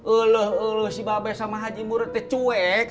eluh eluh si mbak be sama haji muroh itu cuek